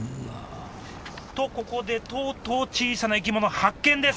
とここでとうとう小さな生き物発見です！